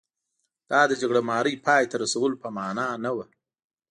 دا د جګړه مارۍ پای ته رسولو په معنا نه و.